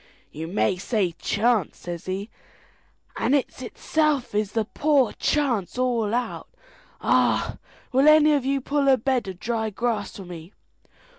"You may say chance," says he, "and it's itself is the poor chance all out. Ah, will any of you pull a bed of dry grass for me?